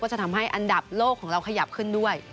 จะทำให้อันดับโลกของเราขยับขึ้นด้วย